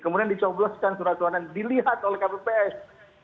kemudian dicoblokkan surat suratnya dilihat oleh kpps